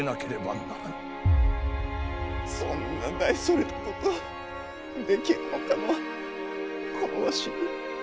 そんな大それたことできるのかのこのわしに。